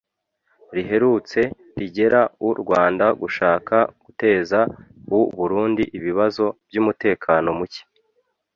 riherutse rirega u Rwanda gushaka guteza u Burundi ibibazo by’umutekano mucye